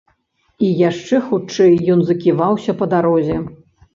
І яшчэ хутчэй ён заківаўся па дарозе.